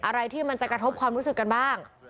อะไรที่มันจะกระทบความรู้สึกกันบ้าง